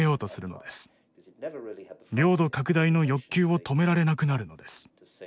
領土拡大の欲求を止められなくなるのです。